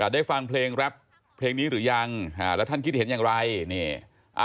ได้ฟังเพลงแรปเพลงนี้หรือยังอ่าแล้วท่านคิดเห็นอย่างไรนี่อ่า